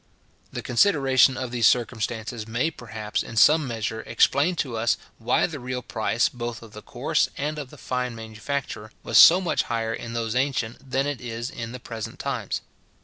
The consideration of these circumstances may, perhaps, in some measure, explain to us why the real price both of the coarse and of the fine manufacture was so much higher in those ancient than it is in the present times.